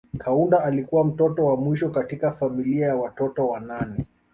Kaunda alikuwa mtoto wa mwisho katika familia ya watoto wanane